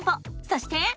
そして。